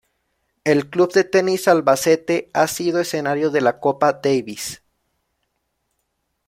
El Club de Tenis Albacete ha sido escenario de la Copa Davis.